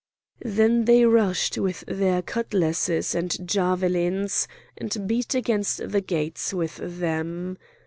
Then they rushed with their cutlasses and javelins, and beat against the gates with them.